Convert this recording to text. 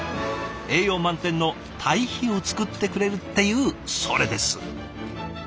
栄養満点の堆肥を作ってくれるっていうそれです。